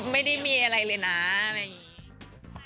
ไม่ได้มีอะไรเลยนะอะไรอย่างนี้